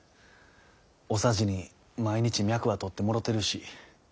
お匙に毎日脈は取ってもろてるし。